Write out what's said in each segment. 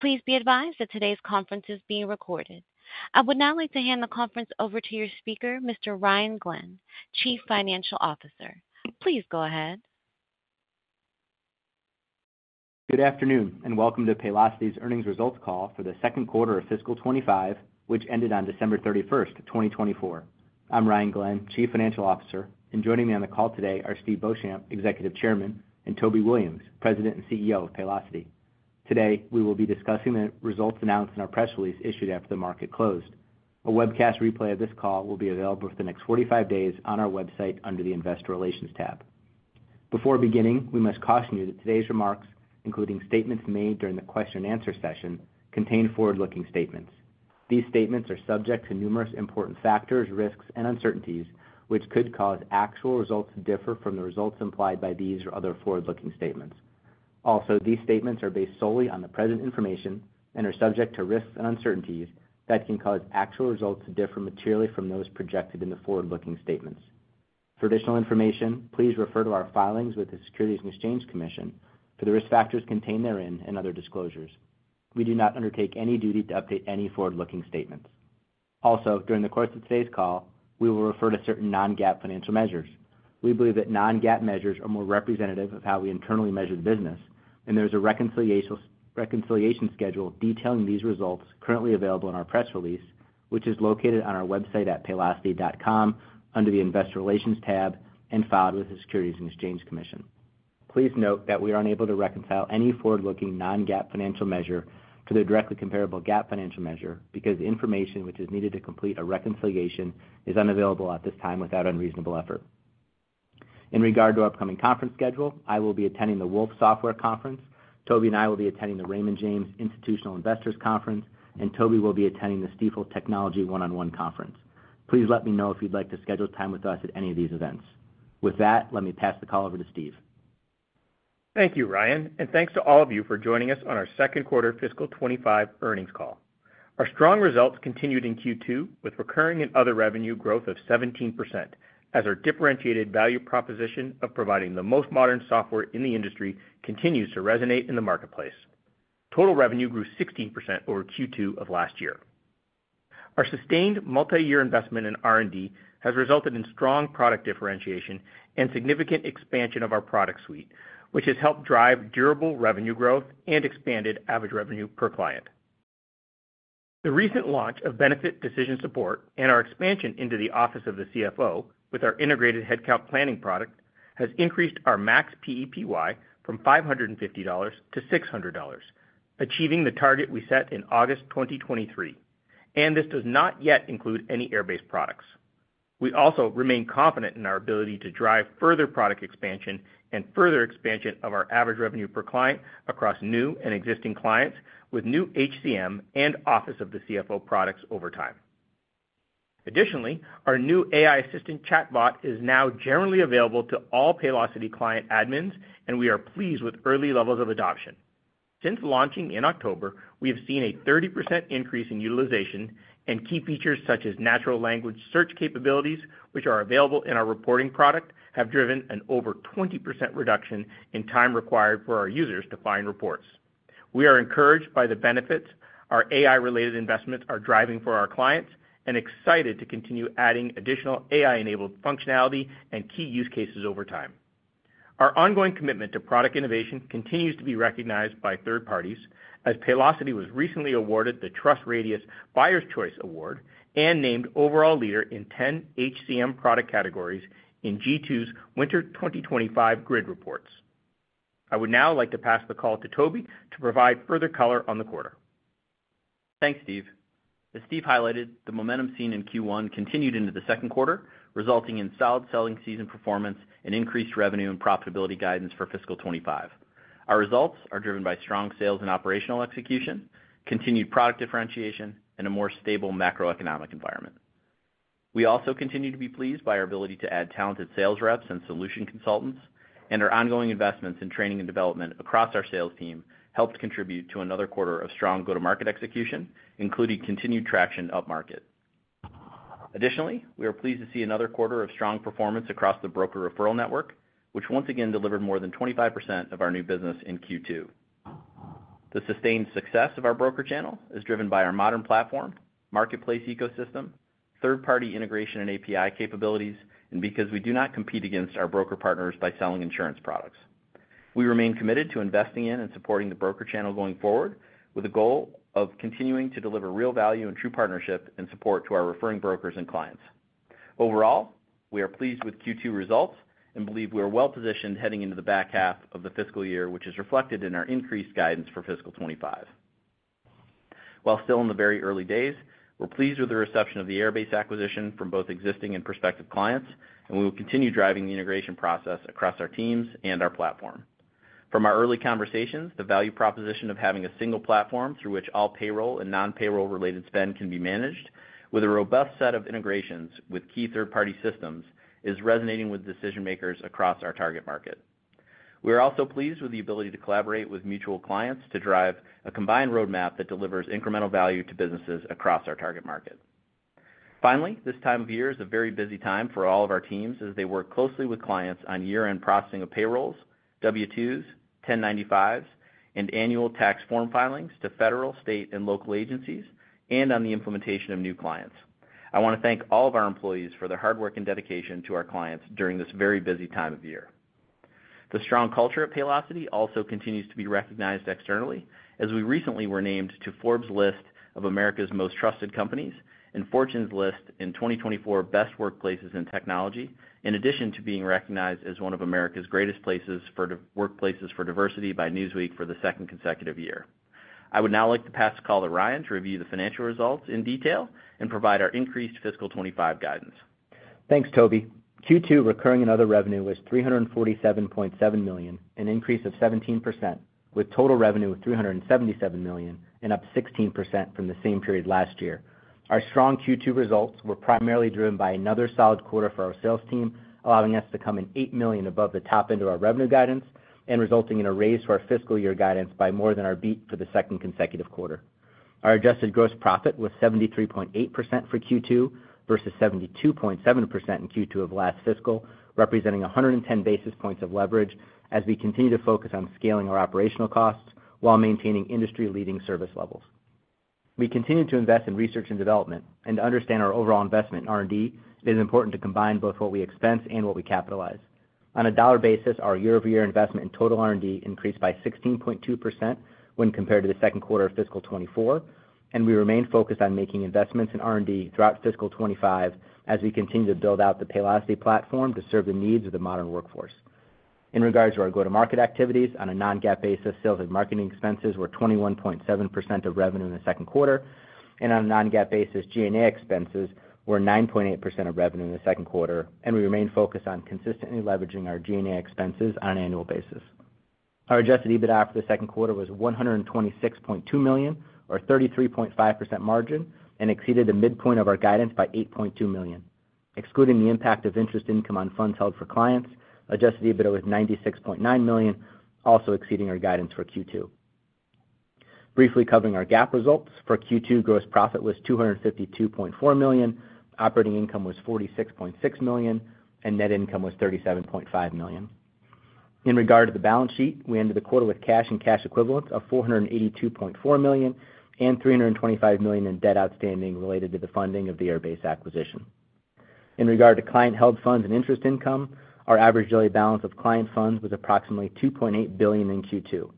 Please be advised that today's conference is being recorded. I would now like to hand the conference over to your speaker, Mr. Ryan Glenn, Chief Financial Officer. Please go ahead. Good afternoon, and welcome to Paylocity's earnings results call for the second quarter of fiscal 2025, which ended on December 31st, 2024. I'm Ryan Glenn, Chief Financial Officer, and joining me on the call today are Steve Beauchamp, Executive Chairman, and Toby Williams, President and CEO of Paylocity. Today, we will be discussing the results announced in our press release issued after the market closed. A webcast replay of this call will be available for the next 45 days on our website under the Investor Relations tab. Before beginning, we must caution you that today's remarks, including statements made during the question-and-answer session, contain forward-looking statements. These statements are subject to numerous important factors, risks, and uncertainties, which could cause actual results to differ from the results implied by these or other forward-looking statements. Also, these statements are based solely on the present information and are subject to risks and uncertainties that can cause actual results to differ materially from those projected in the forward-looking statements. For additional information, please refer to our filings with the Securities and Exchange Commission for the risk factors contained therein and other disclosures. We do not undertake any duty to update any forward-looking statements. Also, during the course of today's call, we will refer to certain Non-GAAP financial measures. We believe that Non-GAAP measures are more representative of how we internally measure the business, and there is a reconciliation schedule detailing these results currently available in our press release, which is located on our website at paylocity.com under the Investor Relations tab and filed with the Securities and Exchange Commission. Please note that we are unable to reconcile any forward-looking non-GAAP financial measure to the directly comparable GAAP financial measure because the information which is needed to complete a reconciliation is unavailable at this time without unreasonable effort. In regard to our upcoming conference schedule, I will be attending the Wolfe Software Conference, Toby and I will be attending the Raymond James Institutional Investors Conference, and Toby will be attending the Stifel Technology One-on-One Conference. Please let me know if you'd like to schedule time with us at any of these events. With that, let me pass the call over to Steve. Thank you, Ryan, and thanks to all of you for joining us on our second quarter fiscal '25 earnings call. Our strong results continued in Q2 with recurring and other revenue growth of 17% as our differentiated value proposition of providing the most modern software in the industry continues to resonate in the marketplace. Total revenue grew 16% over Q2 of last year. Our sustained multi-year investment in R&D has resulted in strong product differentiation and significant expansion of our product suite, which has helped drive durable revenue growth and expanded average revenue per client. The recent launch of Benefit Decision Support and our expansion into the Office of the CFO with our integrated Headcount Planning product has increased our max PEPY from $550 to $600, achieving the target we set in August 2023, and this does not yet include any Airbase products. We also remain confident in our ability to drive further product expansion and further expansion of our average revenue per client across new and existing clients with new HCM and Office of the CFO products over time. Additionally, our new AI assistant chatbot is now generally available to all Paylocity client admins, and we are pleased with early levels of adoption. Since launching in October, we have seen a 30% increase in utilization, and key features such as natural language search capabilities, which are available in our reporting product, have driven an over 20% reduction in time required for our users to find reports. We are encouraged by the benefits our AI-related investments are driving for our clients and excited to continue adding additional AI-enabled functionality and key use cases over time. Our ongoing commitment to product innovation continues to be recognized by third parties as Paylocity was recently awarded the TrustRadius Buyer's Choice Award and named overall leader in 10 HCM product categories in G2's Winter 2025 Grid Reports. I would now like to pass the call to Toby to provide further color on the quarter. Thanks, Steve. As Steve highlighted, the momentum seen in Q1 continued into the second quarter, resulting in solid selling season performance and increased revenue and profitability guidance for fiscal 2025. Our results are driven by strong sales and operational execution, continued product differentiation, and a more stable macroeconomic environment. We also continue to be pleased by our ability to add talented sales reps and solution consultants, and our ongoing investments in training and development across our sales team helped contribute to another quarter of strong go-to-market execution, including continued traction up-market. Additionally, we are pleased to see another quarter of strong performance across the broker referral network, which once again delivered more than 25% of our new business in Q2. The sustained success of our broker channel is driven by our modern platform, marketplace ecosystem, third-party integration and API capabilities, and because we do not compete against our broker partners by selling insurance products. We remain committed to investing in and supporting the broker channel going forward with a goal of continuing to deliver real value and true partnership and support to our referring brokers and clients. Overall, we are pleased with Q2 results and believe we are well-positioned heading into the back half of the fiscal year, which is reflected in our increased guidance for fiscal 2025. While still in the very early days, we're pleased with the reception of the Airbase acquisition from both existing and prospective clients, and we will continue driving the integration process across our teams and our platform. From our early conversations, the value proposition of having a single platform through which all payroll and non-payroll-related spend can be managed with a robust set of integrations with key third-party systems is resonating with decision-makers across our target market. We are also pleased with the ability to collaborate with mutual clients to drive a combined roadmap that delivers incremental value to businesses across our target market. Finally, this time of year is a very busy time for all of our teams as they work closely with clients on year-end processing of payrolls, W-2s, 1095s, and annual tax form filings to federal, state, and local agencies, and on the implementation of new clients. I want to thank all of our employees for their hard work and dedication to our clients during this very busy time of year. The strong culture at Paylocity also continues to be recognized externally as we recently were named to Forbes' list of America's Most Trusted Companies and Fortune's list in 2024 Best Workplaces in Technology, in addition to being recognized as one of America's Greatest Workplaces for Diversity by Newsweek for the second consecutive year. I would now like to pass the call to Ryan to review the financial results in detail and provide our increased fiscal '25 guidance. Thanks, Toby. Q2 recurring and other revenue was $347.7 million, an increase of 17%, with total revenue of $377 million, up 16% from the same period last year. Our strong Q2 results were primarily driven by another solid quarter for our sales team, allowing us to come in $8 million above the top end of our revenue guidance and resulting in a raise to our fiscal year guidance by more than our beat for the second consecutive quarter. Our adjusted gross profit was 73.8% for Q2 versus 72.7% in Q2 of last fiscal, representing 110 basis points of leverage as we continue to focus on scaling our operational costs while maintaining industry-leading service levels. We continue to invest in research and development, and to understand our overall investment in R&D, it is important to combine both what we expense and what we capitalize. On a dollar basis, our year-over-year investment in total R&D increased by 16.2% when compared to the second quarter of fiscal 2024, and we remain focused on making investments in R&D throughout fiscal 2025 as we continue to build out the Paylocity platform to serve the needs of the modern workforce. In regards to our go-to-market activities, on a non-GAAP basis, sales and marketing expenses were 21.7% of revenue in the second quarter, and on a non-GAAP basis, G&A expenses were 9.8% of revenue in the second quarter, and we remain focused on consistently leveraging our G&A expenses on an annual basis. Our adjusted EBITDA for the second quarter was $126.2 million, or 33.5% margin, and exceeded the midpoint of our guidance by $8.2 million. Excluding the impact of interest income on funds held for clients, adjusted EBITDA was $96.9 million, also exceeding our guidance for Q2. Briefly covering our GAAP results, for Q2 gross profit was $252.4 million, operating income was $46.6 million, and net income was $37.5 million. In regard to the balance sheet, we ended the quarter with cash and cash equivalents of $482.4 million and $325 million in debt outstanding related to the funding of the Airbase acquisition. In regard to client-held funds and interest income, our average daily balance of client funds was approximately $2.8 billion in Q2.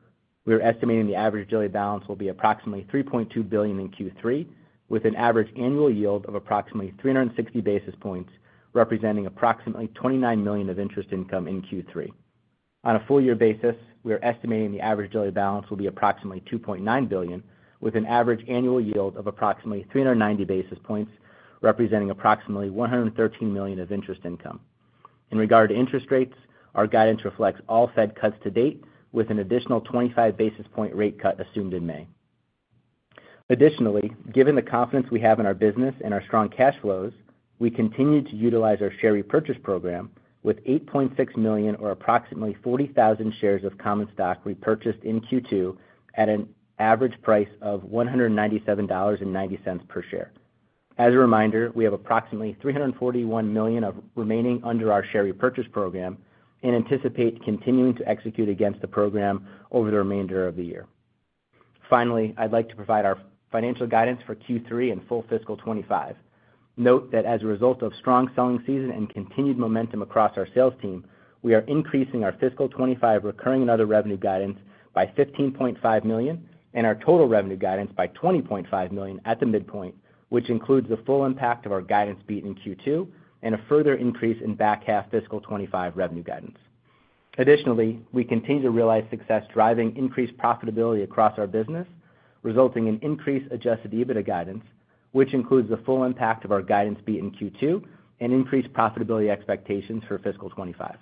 We are estimating the average daily balance will be approximately $3.2 billion in Q3, with an average annual yield of approximately 360 basis points, representing approximately $29 million of interest income in Q3. On a full-year basis, we are estimating the average daily balance will be approximately $2.9 billion, with an average annual yield of approximately 390 basis points, representing approximately $113 million of interest income. In regard to interest rates, our guidance reflects all Fed cuts to date, with an additional 25 basis point rate cut assumed in May. Additionally, given the confidence we have in our business and our strong cash flows, we continue to utilize our share repurchase program with $8.6 million, or approximately 40,000 shares of common stock repurchased in Q2 at an average price of $197.90 per share. As a reminder, we have approximately $341 million remaining under our share repurchase program and anticipate continuing to execute against the program over the remainder of the year. Finally, I'd like to provide our financial guidance for Q3 and full fiscal 2025. Note that as a result of strong selling season and continued momentum across our sales team, we are increasing our fiscal 2025 recurring and other revenue guidance by $15.5 million and our total revenue guidance by $20.5 million at the midpoint, which includes the full impact of our guidance beat in Q2 and a further increase in back half fiscal 2025 revenue guidance. Additionally, we continue to realize success driving increased profitability across our business, resulting in increased adjusted EBITDA guidance, which includes the full impact of our guidance beat in Q2 and increased profitability expectations for fiscal 2025.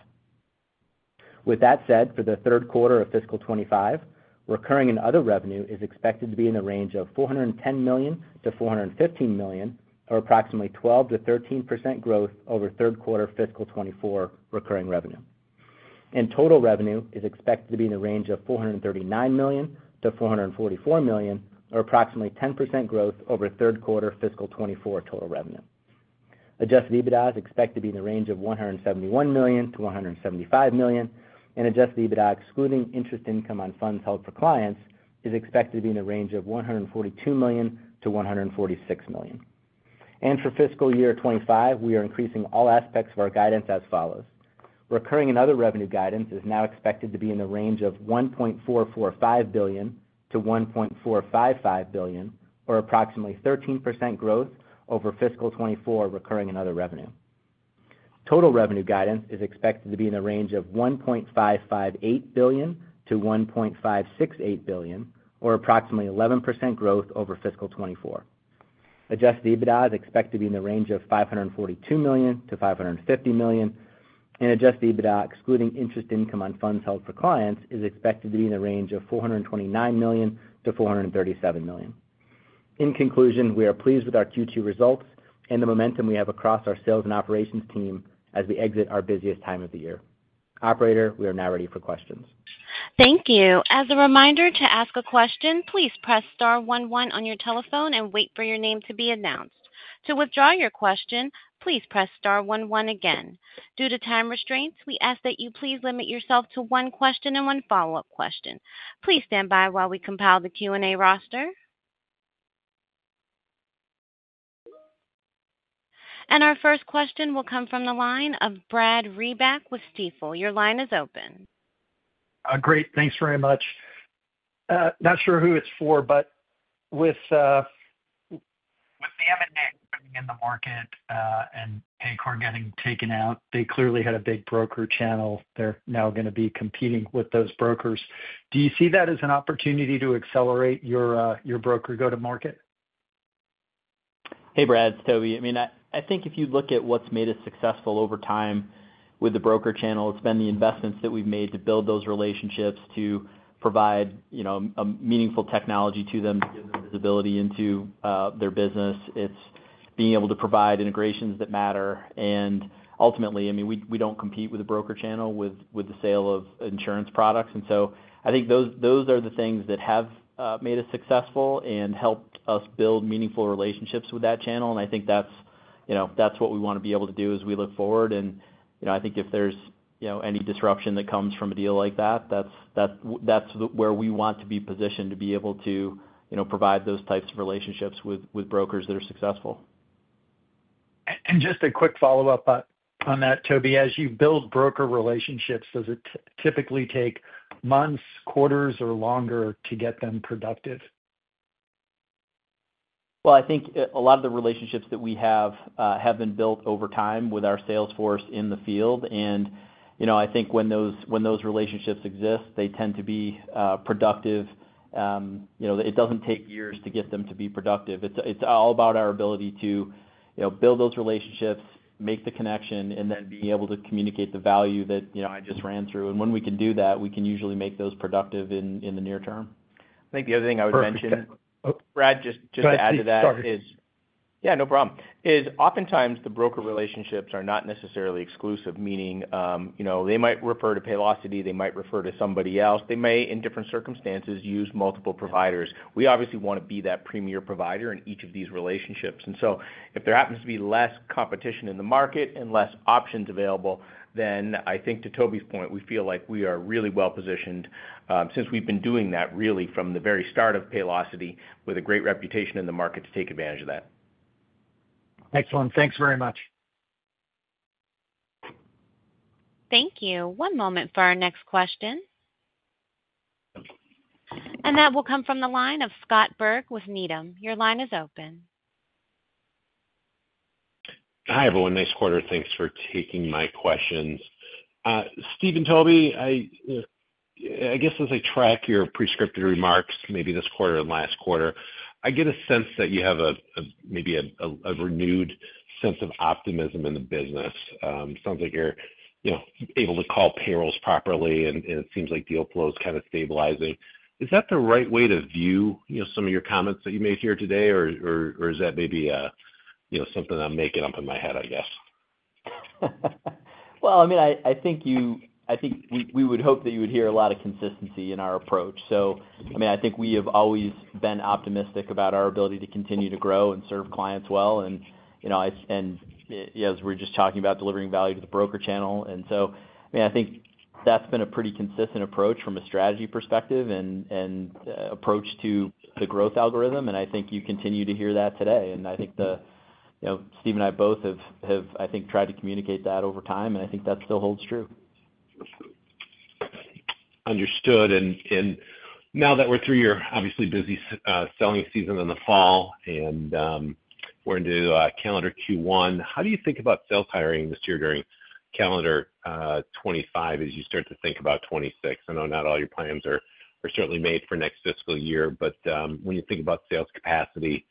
With that said, for the third quarter of fiscal 2025, recurring and other revenue is expected to be in the range of $410-$415 million, or approximately 12%-13% growth over third quarter fiscal 2024 recurring revenue. Total revenue is expected to be in the range of $439-$444 million, or approximately 10% growth over third quarter fiscal 2024 total revenue. Adjusted EBITDA is expected to be in the range of $171-$175 million, and adjusted EBITDA excluding interest income on funds held for clients is expected to be in the range of $142-$146 million. For fiscal year 2025, we are increasing all aspects of our guidance as follows. Recurring and other revenue guidance is now expected to be in the range of $1.445-$1.455 billion, or approximately 13% growth over fiscal 2024 recurring and other revenue. Total revenue guidance is expected to be in the range of $1.558-$1.568 billion, or approximately 11% growth over fiscal 2024. Adjusted EBITDA is expected to be in the range of $542 million-$550 million, and adjusted EBITDA excluding interest income on funds held for clients is expected to be in the range of $429 million-$437 million. In conclusion, we are pleased with our Q2 results and the momentum we have across our sales and operations team as we exit our busiest time of the year. Operator, we are now ready for questions. Thank you. As a reminder, to ask a question, please press star 11 on your telephone and wait for your name to be announced. To withdraw your question, please press star 11 again. Due to time restraints, we ask that you please limit yourself to one question and one follow-up question. Please stand by while we compile the Q&A roster, and our first question will come from the line of Brad Reback with Stifel. Your line is open. Great. Thanks very much. Not sure who it's for, but with. With the M&A happening in the market and Paycor getting taken out, they clearly had a big broker channel. They're now going to be competing with those brokers. Do you see that as an opportunity to accelerate your broker go-to-market? Hey, Brad, it's Toby. I mean, I think if you look at what's made us successful over time with the broker channel, it's been the investments that we've made to build those relationships to provide meaningful technology to them to give them visibility into their business. It's being able to provide integrations that matter. And ultimately, I mean, we don't compete with a broker channel with the sale of insurance products. And so I think those are the things that have made us successful and helped us build meaningful relationships with that channel. And I think that's what we want to be able to do as we look forward. And I think if there's any disruption that comes from a deal like that, that's where we want to be positioned to be able to provide those types of relationships with brokers that are successful. Just a quick follow-up on that, Toby. As you build broker relationships, does it typically take months, quarters, or longer to get them productive? I think a lot of the relationships that we have been built over time with our sales force in the field. And I think when those relationships exist, they tend to be productive. It doesn't take years to get them to be productive. It's all about our ability to build those relationships, make the connection, and then be able to communicate the value that I just ran through. And when we can do that, we can usually make those productive in the near term. I think the other thing I would mention, Brad, just to add to that is. Go ahead. Sorry. Yeah, no problem. Oftentimes, the broker relationships are not necessarily exclusive, meaning they might refer to Paylocity, they might refer to somebody else. They may, in different circumstances, use multiple providers. We obviously want to be that premier provider in each of these relationships. And so if there happens to be less competition in the market and less options available, then I think to Toby's point, we feel like we are really well-positioned since we've been doing that really from the very start of Paylocity with a great reputation in the market to take advantage of that. Excellent. Thanks very much. Thank you. One moment for our next question, and that will come from the line of Scott Berg with Needham. Your line is open. Hi everyone. Nice quarter. Thanks for taking my questions. Steve and Toby, I guess as I track your pre-scripted remarks, maybe this quarter and last quarter, I get a sense that you have maybe a renewed sense of optimism in the business. It sounds like you're able to call payrolls properly, and it seems like deal flow is kind of stabilizing. Is that the right way to view some of your comments that you made here today, or is that maybe something I'm making up in my head, I guess? I mean, I think we would hope that you would hear a lot of consistency in our approach, so I mean, I think we have always been optimistic about our ability to continue to grow and serve clients well, and as we're just talking about delivering value to the broker channel, and so I mean, I think that's been a pretty consistent approach from a strategy perspective and approach to the growth algorithm, and I think you continue to hear that today, and I think Steve and I both have, I think, tried to communicate that over time, and I think that still holds true. Understood. And now that we're through your obviously busy selling season in the fall and we're into calendar Q1, how do you think about sales hiring this year during calendar 2025 as you start to think about 2026? I know not all your plans are certainly made for next fiscal year, but when you think about sales capacity,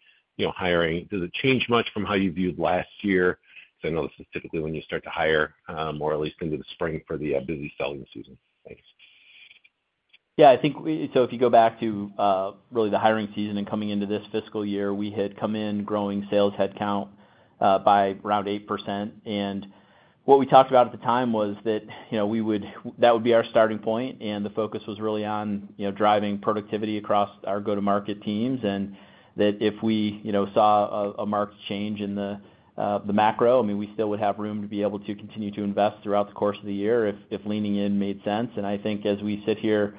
hiring, does it change much from how you viewed last year? Because I know this is typically when you start to hire, or at least into the spring for the busy selling season. Thanks. Yeah. I think so if you go back to really the hiring season and coming into this fiscal year, we had come in growing sales headcount by around 8%. And what we talked about at the time was that that would be our starting point, and the focus was really on driving productivity across our go-to-market teams and that if we saw a marked change in the macro, I mean, we still would have room to be able to continue to invest throughout the course of the year if leaning in made sense. And I think as we sit here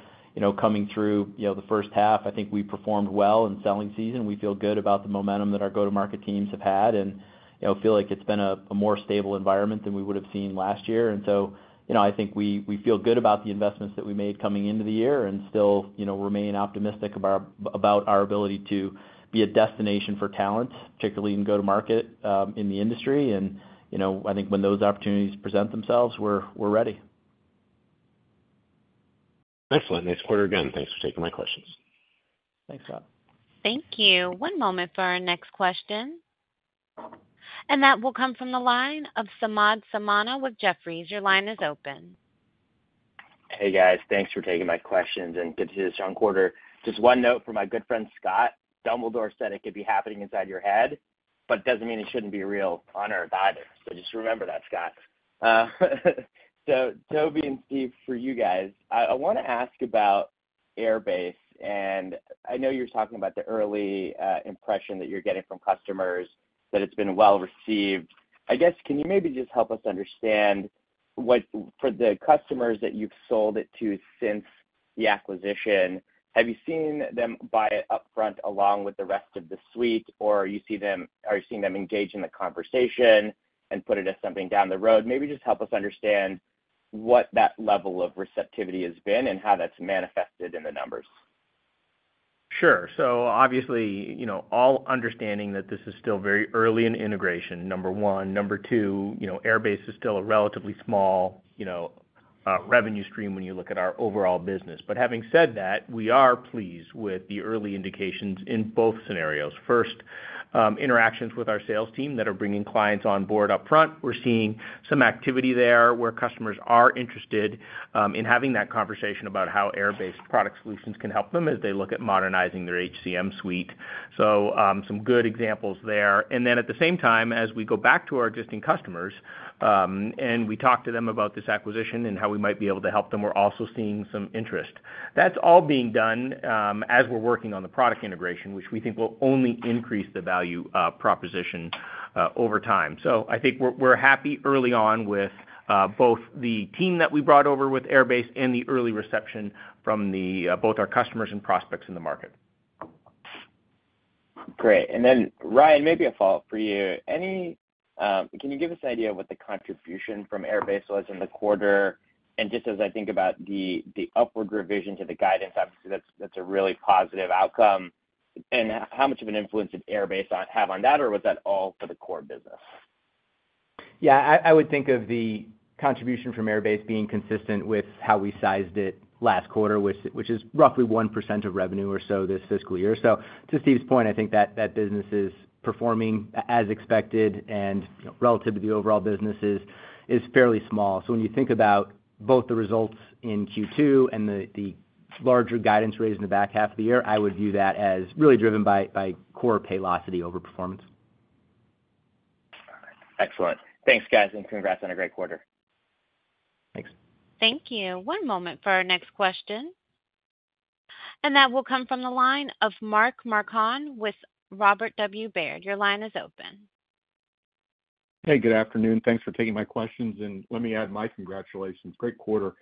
coming through the first half, I think we performed well in selling season. We feel good about the momentum that our go-to-market teams have had and feel like it's been a more stable environment than we would have seen last year. I think we feel good about the investments that we made coming into the year and still remain optimistic about our ability to be a destination for talent, particularly in go-to-market in the industry. I think when those opportunities present themselves, we're ready. Excellent. Nice quarter again. Thanks for taking my questions. Thanks, Scott. Thank you. One moment for our next question. And that will come from the line of Samad Samana with Jefferies. Your line is open. Hey, guys. Thanks for taking my questions. And good to see this strong quarter. Just one note from my good friend Scott. Dumbledore said it could be happening inside your head, but it doesn't mean it shouldn't be real on earth either. So just remember that, Scott. So Toby and Steve, for you guys, I want to ask about Airbase. And I know you're talking about the early impression that you're getting from customers, that it's been well received. I guess can you maybe just help us understand for the customers that you've sold it to since the acquisition, have you seen them buy it upfront along with the rest of the suite, or are you seeing them engage in the conversation and put it as something down the road? Maybe just help us understand what that level of receptivity has been and how that's manifested in the numbers. Sure, so obviously, all understanding that this is still very early in integration, number one. Number two, Airbase is still a relatively small revenue stream when you look at our overall business. But having said that, we are pleased with the early indications in both scenarios. First, interactions with our sales team that are bringing clients on board upfront. We're seeing some activity there where customers are interested in having that conversation about how Airbase-based product solutions can help them as they look at modernizing their HCM suite, so some good examples there, and then at the same time, as we go back to our existing customers and we talk to them about this acquisition and how we might be able to help them, we're also seeing some interest. That's all being done as we're working on the product integration, which we think will only increase the value proposition over time. So I think we're happy early on with both the team that we brought over with Airbase and the early reception from both our customers and prospects in the market. Great. And then, Ryan, maybe a follow-up for you. Can you give us an idea of what the contribution from Airbase was in the quarter? And just as I think about the upward revision to the guidance, obviously, that's a really positive outcome. And how much of an influence did Airbase have on that, or was that all for the core business? Yeah. I would think of the contribution from Airbase being consistent with how we sized it last quarter, which is roughly 1% of revenue or so this fiscal year, so to Steve's point, I think that that business is performing as expected, and relative to the overall business is fairly small, so when you think about both the results in Q2 and the larger guidance raised in the back half of the year, I would view that as really driven by core Paylocity overperformance. Excellent. Thanks, guys, and congrats on a great quarter. Thanks. Thank you. One moment for our next question. And that will come from the line of Mark Marcon with Robert W. Baird. Your line is open. Hey, good afternoon. Thanks for taking my questions. Let me add my congratulations. Great quarter.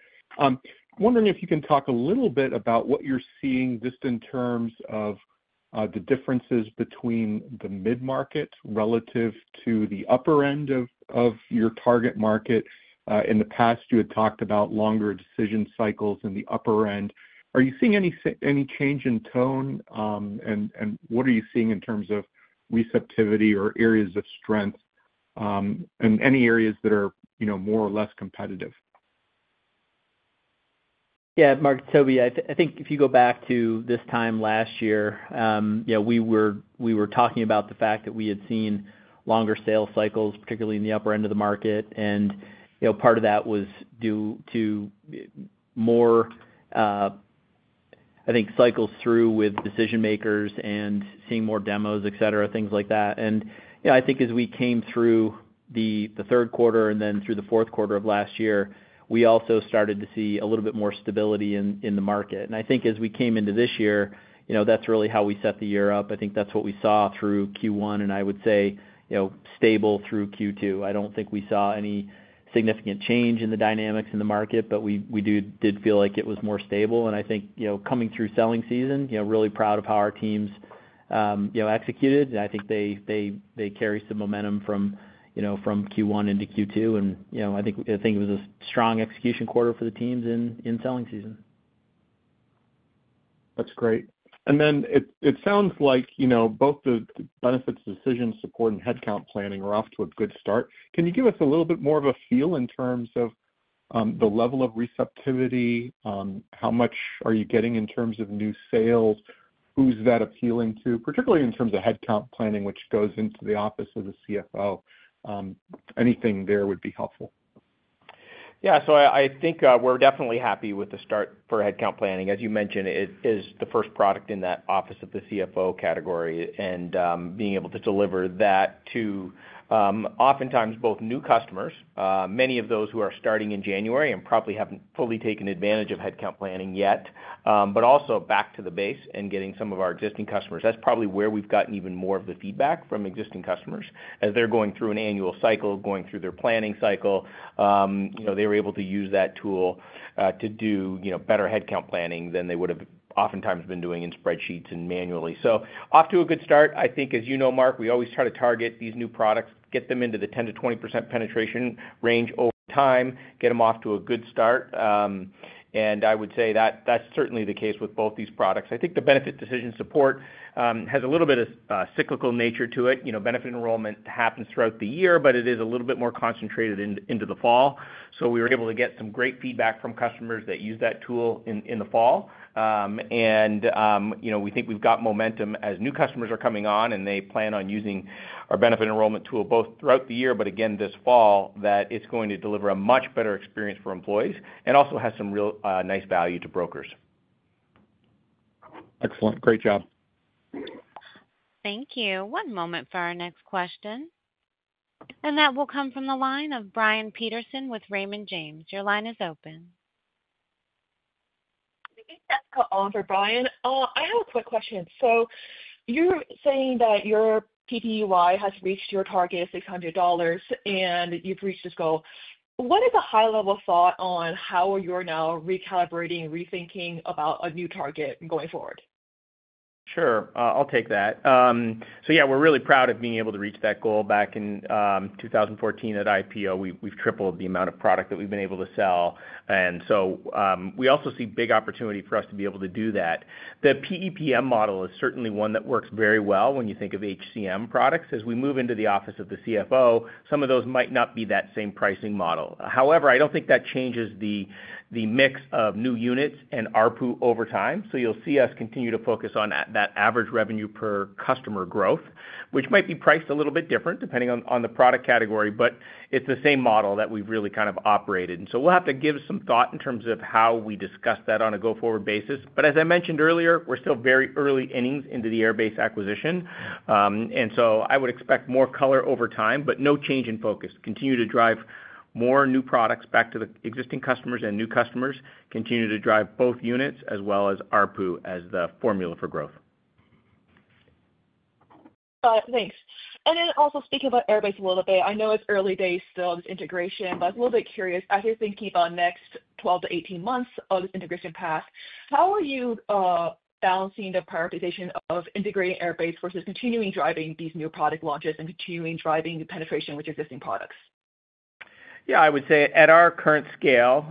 Wondering if you can talk a little bit about what you're seeing just in terms of the differences between the mid-market relative to the upper end of your target market. In the past, you had talked about longer decision cycles in the upper end. Are you seeing any change in tone, and what are you seeing in terms of receptivity or areas of strength and any areas that are more or less competitive? Yeah, Mark, Toby, I think if you go back to this time last year, we were talking about the fact that we had seen longer sales cycles, particularly in the upper end of the market. And part of that was due to more, I think, cycles through with decision makers and seeing more demos, etc., things like that. And I think as we came through the third quarter and then through the fourth quarter of last year, we also started to see a little bit more stability in the market. And I think as we came into this year, that's really how we set the year up. I think that's what we saw through Q1, and I would say stable through Q2. I don't think we saw any significant change in the dynamics in the market, but we did feel like it was more stable. And I think coming through selling season, really proud of how our teams executed. And I think they carry some momentum from Q1 into Q2. And I think it was a strong execution quarter for the teams in selling season. That's great. And then it sounds like both the Benefits Decision Support and Headcount Planning are off to a good start. Can you give us a little bit more of a feel in terms of the level of receptivity? How much are you getting in terms of new sales? Who's that appealing to, particularly in terms of Headcount Planning, which goes into the Office of the CFO? Anything there would be helpful. Yeah. So I think we're definitely happy with the start for Headcount Planning. As you mentioned, it is the first product in that Office of the CFO category and being able to deliver that to oftentimes both new customers, many of those who are starting in January and probably haven't fully taken advantage of Headcount Planning yet, but also back to the base and getting some of our existing customers. That's probably where we've gotten even more of the feedback from existing customers as they're going through an annual cycle, going through their planning cycle. They were able to use that tool to do better Headcount Planning than they would have oftentimes been doing in spreadsheets and manually. So off to a good start. I think, as you know, Mark, we always try to target these new products, get them into the 10%-20% penetration range over time, get them off to a good start. And I would say that that's certainly the case with both these products. I think the Benefit Decision Support has a little bit of a cyclical nature to it. Benefit enrollment happens throughout the year, but it is a little bit more concentrated into the fall. So we were able to get some great feedback from customers that use that tool in the fall. And we think we've got momentum as new customers are coming on and they plan on using our benefit enrollment tool both throughout the year, but again, this fall, that it's going to deliver a much better experience for employees and also has some real nice value to brokers. Excellent. Great job. Thank you. One moment for our next question, and that will come from the line of Brian Peterson with Raymond James. Your line is open. Thanks, Oliver, Brian. I have a quick question. So you're saying that your PEPY has reached your target of $600 and you've reached this goal. What is a high-level thought on how you're now recalibrating, rethinking about a new target going forward? Sure. I'll take that. So yeah, we're really proud of being able to reach that goal back in 2014 at IPO. We've tripled the amount of product that we've been able to sell. And so we also see big opportunity for us to be able to do that. The PEPM model is certainly one that works very well when you think of HCM products. As we move into the office of the CFO, some of those might not be that same pricing model. However, I don't think that changes the mix of new units and ARPU over time. So you'll see us continue to focus on that average revenue per customer growth, which might be priced a little bit different depending on the product category, but it's the same model that we've really kind of operated. And so we'll have to give some thought in terms of how we discuss that on a go-forward basis. But as I mentioned earlier, we're still very early innings into the Airbase acquisition. And so I would expect more color over time, but no change in focus. Continue to drive more new products back to the existing customers and new customers. Continue to drive both units as well as ARPC as the formula for growth. Got it. Thanks. And then also speaking about Airbase a little bit, I know it's early days still of this integration, but I'm a little bit curious as you're thinking about next 12-18 months of this integration path, how are you balancing the prioritization of integrating Airbase versus continuing driving these new product launches and continuing driving penetration with existing products? Yeah. I would say at our current scale,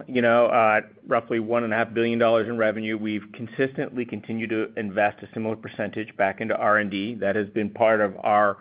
roughly $1.5 billion in revenue, we have consistently continued to invest a similar percentage back into R&D. That has been part of our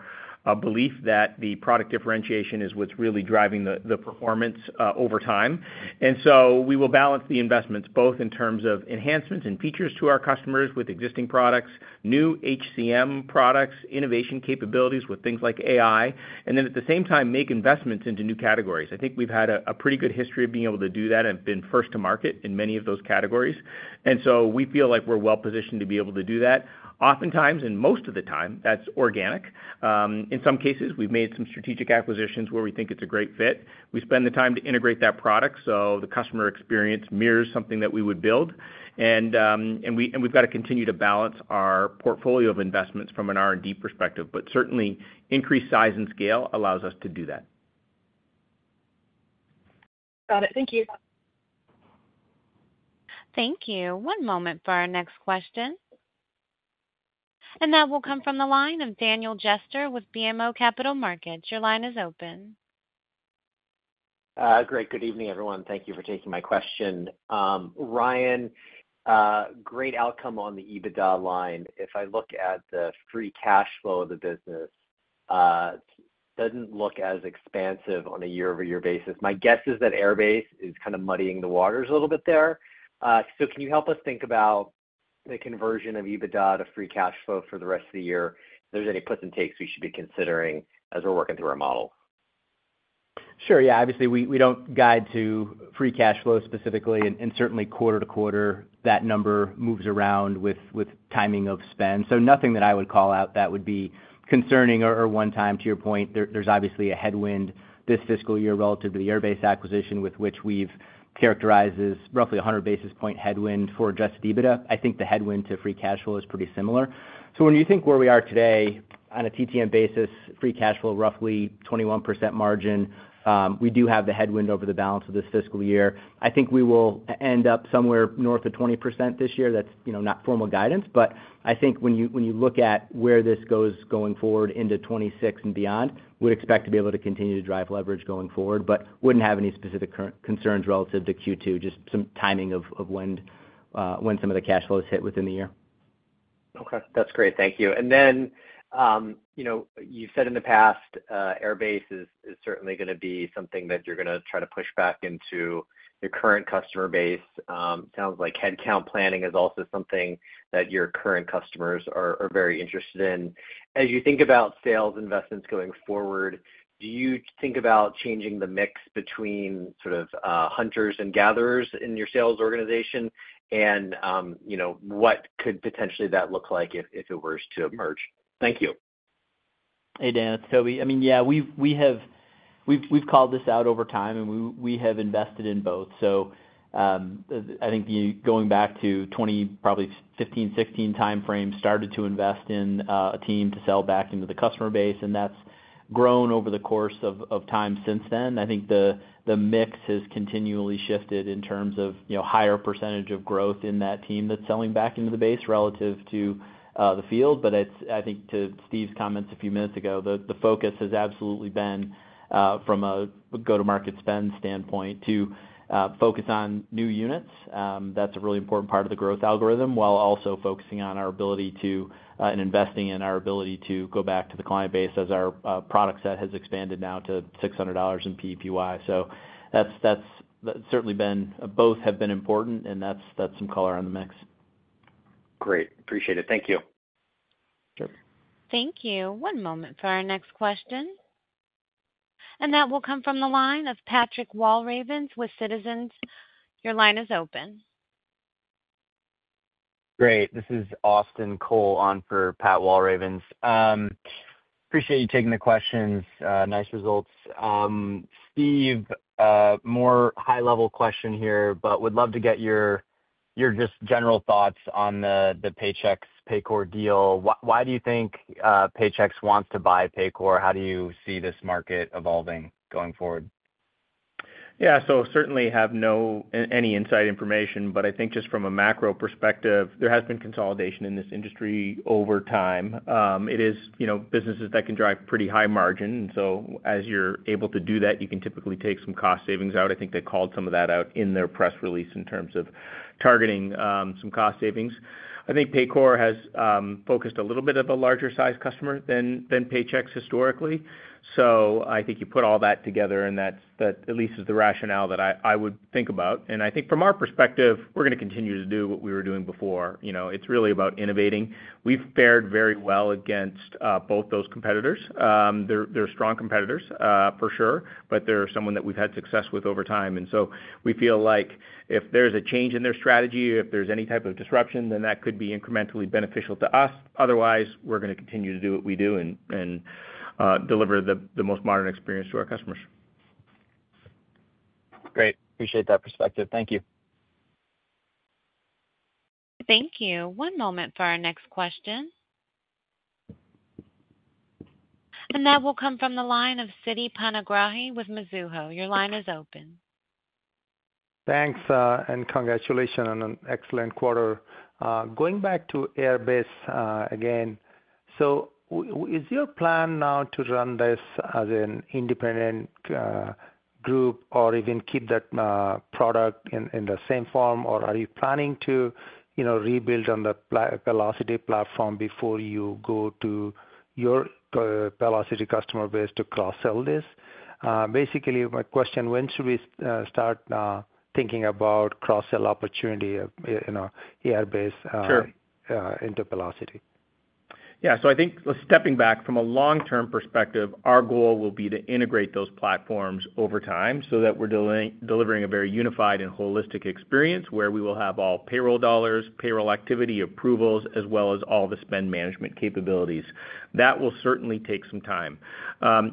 belief that the product differentiation is what is really driving the performance over time. And so we will balance the investments both in terms of enhancements and features to our customers with existing products, new HCM products, innovation capabilities with things like AI, and then at the same time, make investments into new categories. I think we have had a pretty good history of being able to do that and have been first to market in many of those categories. And so we feel like we are well positioned to be able to do that. Oftentimes, and most of the time, that is organic. In some cases, we have made some strategic acquisitions where we think it is a great fit. We spend the time to integrate that product so the customer experience mirrors something that we would build, and we've got to continue to balance our portfolio of investments from an R&D perspective, but certainly, increased size and scale allows us to do that. Got it. Thank you. Thank you. One moment for our next question and that will come from the line of Daniel Jester with BMO Capital Markets. Your line is open. Great. Good evening, everyone. Thank you for taking my question. Ryan, great outcome on the EBITDA line. If I look at the free cash flow of the business, it doesn't look as expansive on a year-over-year basis. My guess is that Airbase is kind of muddying the waters a little bit there, so can you help us think about the conversion of EBITDA to free cash flow for the rest of the year? If there's any puts and takes, we should be considering as we're working through our model. Sure. Yeah. Obviously, we don't guide to free cash flow specifically. And certainly, quarter to quarter, that number moves around with timing of spend. So nothing that I would call out that would be concerning or one-time. To your point, there's obviously a headwind this fiscal year relative to the Airbase acquisition, with which we've characterized as roughly 100 basis points headwind for just EBITDA. I think the headwind to free cash flow is pretty similar. So when you think where we are today, on a TTM basis, free cash flow, roughly 21% margin, we do have the headwind over the balance of this fiscal year. I think we will end up somewhere north of 20% this year. That's not formal guidance, but I think when you look at where this goes going forward into 2026 and beyond, we'd expect to be able to continue to drive leverage going forward, but wouldn't have any specific concerns relative to Q2, just some timing of when some of the cash flows hit within the year. Okay. That's great. Thank you. And then you've said in the past, Airbase is certainly going to be something that you're going to try to push back into your current customer base. Sounds like Headcount Planning is also something that your current customers are very interested in. As you think about sales investments going forward, do you think about changing the mix between sort of hunters and gatherers in your sales organization? And what could potentially that look like if it were to emerge? Thank you. Hey, Dan, it's Toby. I mean, yeah, we've called this out over time, and we have invested in both. So I think going back to 2020, probably 2015, 2016 timeframe, started to invest in a team to sell back into the customer base, and that's grown over the course of time since then. I think the mix has continually shifted in terms of higher percentage of growth in that team that's selling back into the base relative to the field. But I think to Steve's comments a few minutes ago, the focus has absolutely been from a go-to-market spend standpoint to focus on new units. That's a really important part of the growth algorithm, while also focusing on our ability to and investing in our ability to go back to the client base as our product set has expanded now to $600 in PEPY. So, that's certainly been both have been important, and that's some color on the mix. Great. Appreciate it. Thank you. Sure. Thank you. One moment for our next question. That will come from the line of Patrick Walravens with Citizens. Your line is open. Great. This is Austin Cole on for Pat Walravens. Appreciate you taking the questions. Nice results. Steve, more high-level question here, but would love to get your just general thoughts on the Paychex Paycor deal. Why do you think Paychex wants to buy Paycor? How do you see this market evolving going forward? Yeah. So certainly have no any inside information, but I think just from a macro perspective, there has been consolidation in this industry over time. It is businesses that can drive pretty high margin. And so as you're able to do that, you can typically take some cost savings out. I think they called some of that out in their press release in terms of targeting some cost savings. I think Paycor has focused a little bit of a larger-sized customer than Paychex historically. So I think you put all that together, and that at least is the rationale that I would think about. And I think from our perspective, we're going to continue to do what we were doing before. It's really about innovating. We've fared very well against both those competitors. They're strong competitors, for sure, but they're someone that we've had success with over time. We feel like if there's a change in their strategy, if there's any type of disruption, then that could be incrementally beneficial to us. Otherwise, we're going to continue to do what we do and deliver the most modern experience to our customers. Great. Appreciate that perspective. Thank you. Thank you. One moment for our next question. And that will come from the line of Siti Panigrahi with Mizuho. Your line is open. Thanks, and congratulations on an excellent quarter. Going back to Airbase again, so is your plan now to run this as an independent group or even keep that product in the same form, or are you planning to rebuild on the Paylocity platform before you go to your Paylocity customer base to cross-sell this? Basically, my question, when should we start thinking about cross-sell opportunity of Airbase into Paylocity? Yeah. So I think stepping back from a long-term perspective, our goal will be to integrate those platforms over time so that we're delivering a very unified and holistic experience where we will have all payroll dollars, payroll activity approvals, as well as all the spend management capabilities. That will certainly take some time.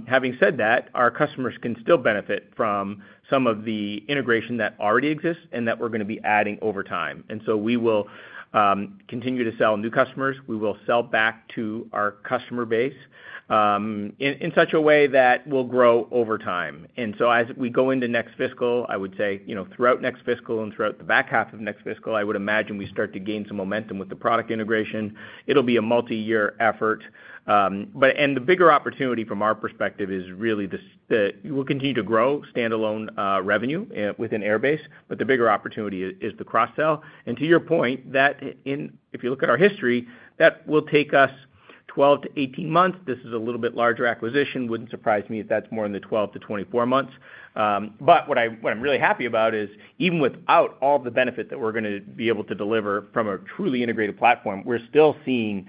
Having said that, our customers can still benefit from some of the integration that already exists and that we're going to be adding over time, and so we will continue to sell new customers. We will sell back to our customer base in such a way that we'll grow over time, and so as we go into next fiscal, I would say throughout next fiscal and throughout the back half of next fiscal, I would imagine we start to gain some momentum with the product integration. It'll be a multi-year effort. And the bigger opportunity from our perspective is really that we'll continue to grow standalone revenue within Airbase, but the bigger opportunity is the cross-sell. And to your point, if you look at our history, that will take us 12-18 months. This is a little bit larger acquisition. Wouldn't surprise me if that's more in the 12-24 months. But what I'm really happy about is even without all the benefit that we're going to be able to deliver from a truly integrated platform, we're still seeing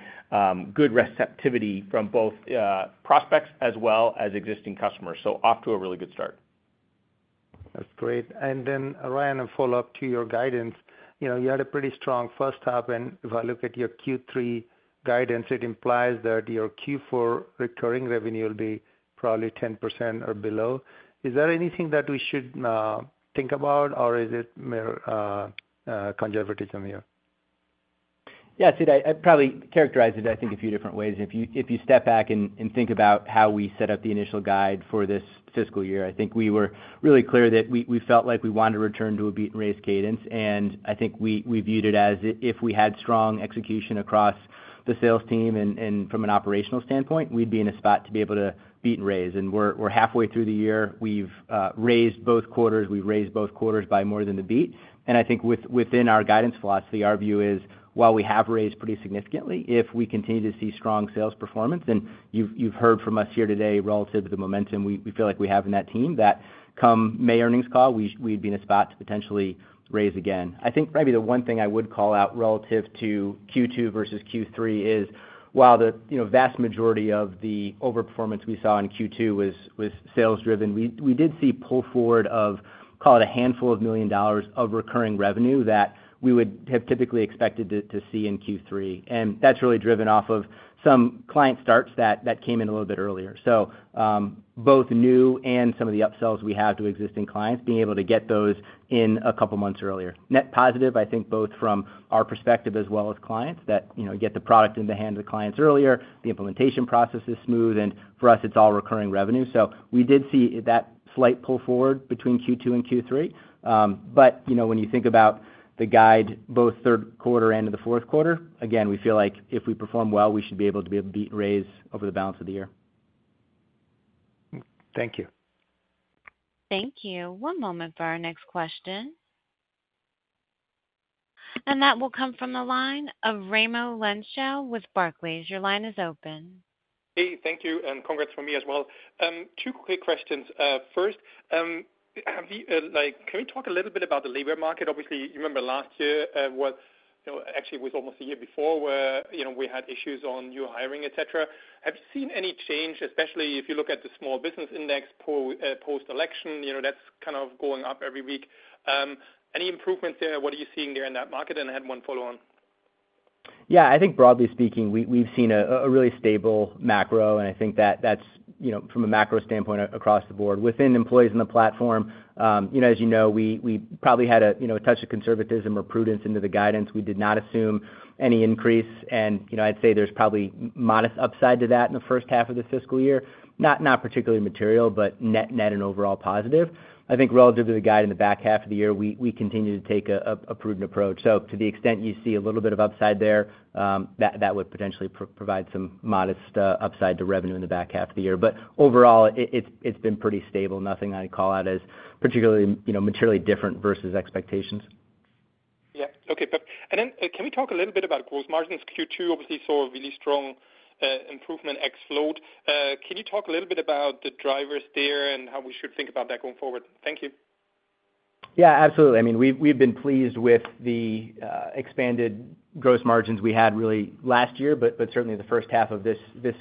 good receptivity from both prospects as well as existing customers. So off to a really good start. That's great. And then, Ryan, a follow-up to your guidance. You had a pretty strong first half, and if I look at your Q3 guidance, it implies that your Q4 recurring revenue will be probably 10% or below. Is there anything that we should think about, or is it more conservative than here? Yeah. I'd probably characterize it, I think, a few different ways. If you step back and think about how we set up the initial guidance for this fiscal year, I think we were really clear that we felt like we wanted to return to a beat-and-raise cadence, and I think we viewed it as if we had strong execution across the sales team and from an operational standpoint, we'd be in a spot to be able to beat and raise, and we're halfway through the year. We've raised both quarters. We've raised both quarters by more than the beat. I think within our guidance philosophy, our view is while we have raised pretty significantly, if we continue to see strong sales performance, and you've heard from us here today relative to the momentum we feel like we have in that team that come May earnings call, we'd be in a spot to potentially raise again. I think maybe the one thing I would call out relative to Q2 versus Q3 is while the vast majority of the overperformance we saw in Q2 was sales-driven, we did see pull forward of, call it a handful of million dollars of recurring revenue that we would have typically expected to see in Q3. That's really driven off of some client starts that came in a little bit earlier. So both new and some of the upsells we have to existing clients, being able to get those in a couple of months earlier. Net positive, I think both from our perspective as well as clients, that you get the product in the hands of the clients earlier, the implementation process is smooth, and for us, it's all recurring revenue. So we did see that slight pull forward between Q2 and Q3. But when you think about the guide, both third quarter and the fourth quarter, again, we feel like if we perform well, we should be able to beat and raise over the balance of the year. Thank you. Thank you. One moment for our next question. And that will come from the line of Raimo Lenschow with Barclays. Your line is open. Hey, thank you, and congrats from me as well. Two quick questions. First, can we talk a little bit about the labor market? Obviously, you remember last year, actually, it was almost a year before where we had issues on new hiring, etc. Have you seen any change, especially if you look at the small business index post-election? That's kind of going up every week. Any improvements there? What are you seeing there in that market? And I had one follow-on. Yeah. I think broadly speaking, we've seen a really stable macro, and I think that that's from a macro standpoint across the board. Within employees in the platform, as you know, we probably had a touch of conservatism or prudence into the guidance. We did not assume any increase. And I'd say there's probably modest upside to that in the first half of the fiscal year. Not particularly material, but net and overall positive. I think relative to the guide in the back half of the year, we continue to take a prudent approach. So to the extent you see a little bit of upside there, that would potentially provide some modest upside to revenue in the back half of the year. But overall, it's been pretty stable. Nothing I'd call out as particularly materially different versus expectations. Yeah. Okay, and then can we talk a little bit about gross margins? Q2, obviously, saw a really strong improvement ex-float. Can you talk a little bit about the drivers there and how we should think about that going forward? Thank you. Yeah, absolutely. I mean, we've been pleased with the expanded gross margins we had really last year, but certainly the first half of this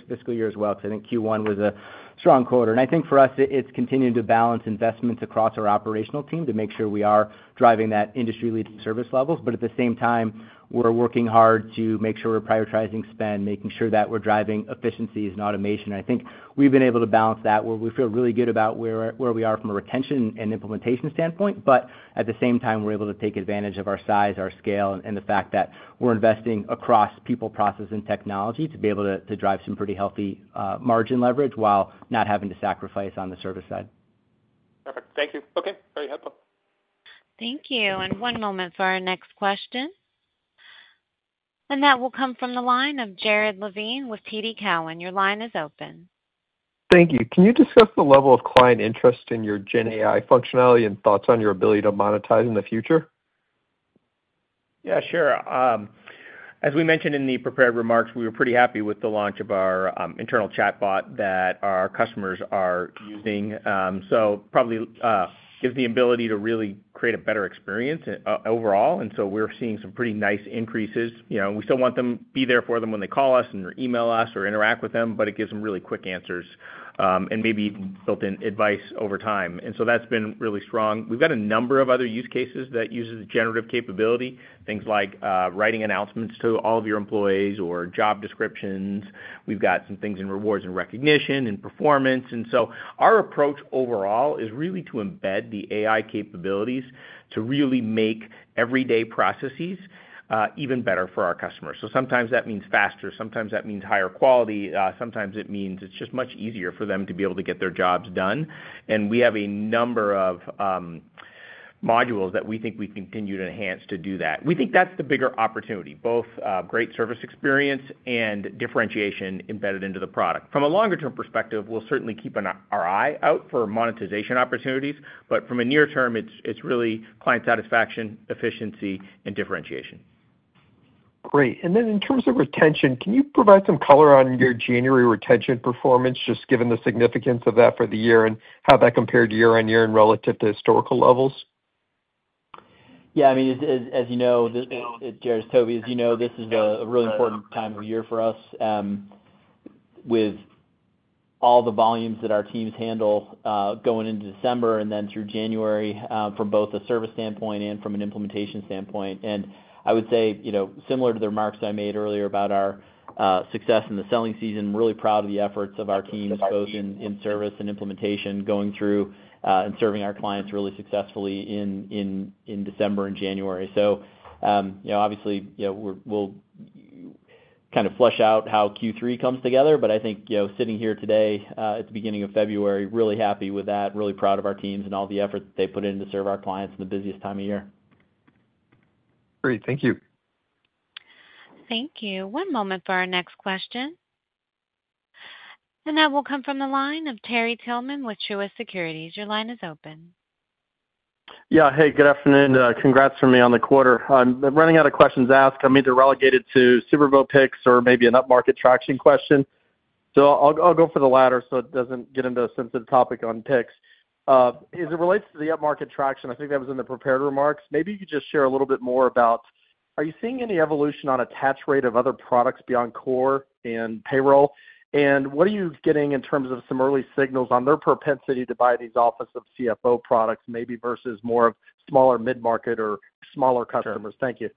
fiscal year as well, because I think Q1 was a strong quarter, and I think for us, it's continuing to balance investments across our operational team to make sure we are driving that industry-leading service levels. But at the same time, we're working hard to make sure we're prioritizing spend, making sure that we're driving efficiencies and automation. I think we've been able to balance that where we feel really good about where we are from a retention and implementation standpoint, but at the same time, we're able to take advantage of our size, our scale, and the fact that we're investing across people, process, and technology to be able to drive some pretty healthy margin leverage while not having to sacrifice on the service side. Perfect. Thank you. Okay. Very helpful. Thank you. And one moment for our next question. And that will come from the line of Jared Levine with TD Cowen. Your line is open. Thank you. Can you discuss the level of client interest in your GenAI functionality and thoughts on your ability to monetize in the future? Yeah, sure. As we mentioned in the prepared remarks, we were pretty happy with the launch of our internal chatbot that our customers are using. So probably gives the ability to really create a better experience overall. And so we're seeing some pretty nice increases. We still want them to be there for them when they call us and email us or interact with them, but it gives them really quick answers and maybe built-in advice over time. And so that's been really strong. We've got a number of other use cases that use the generative capability, things like writing announcements to all of your employees or job descriptions. We've got some things in rewards and recognition and performance. And so our approach overall is really to embed the AI capabilities to really make everyday processes even better for our customers. So sometimes that means faster. Sometimes that means higher quality. Sometimes it means it's just much easier for them to be able to get their jobs done. And we have a number of modules that we think we continue to enhance to do that. We think that's the bigger opportunity, both great service experience and differentiation embedded into the product. From a longer-term perspective, we'll certainly keep our eye out for monetization opportunities. But from a near term, it's really client satisfaction, efficiency, and differentiation. Great. And then in terms of retention, can you provide some color on your January retention performance, just given the significance of that for the year and how that compared year-on-year and relative to historical levels? Yeah. I mean, as you know, Jared, it's Toby. You know, this is a really important time of year for us with all the volumes that our teams handle going into December and then through January from both a service standpoint and from an implementation standpoint, and I would say similar to the remarks I made earlier about our success in the selling season, really proud of the efforts of our teams, both in service and implementation, going through and serving our clients really successfully in December and January, so obviously, we'll kind of flesh out how Q3 comes together, but I think sitting here today at the beginning of February, really happy with that, really proud of our teams and all the effort that they put in to serve our clients in the busiest time of year. Great. Thank you. Thank you. One moment for our next question, and that will come from the line of Terry Tillman with Truist Securities. Your line is open. Yeah. Hey, good afternoon. Congrats from me on the quarter. I'm running out of questions asked. I'm either relegated to Super Bowl picks or maybe an upmarket traction question. So I'll go for the latter so it doesn't get into a sensitive topic on picks. As it relates to the upmarket traction, I think that was in the prepared remarks. Maybe you could just share a little bit more about, are you seeing any evolution on attach rate of other products beyond core and payroll? And what are you getting in terms of some early signals on their propensity to buy these Office of CFO products, maybe versus more of smaller mid-market or smaller customers? Thank you.